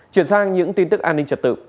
chuyển sang những tin tức an ninh trật tự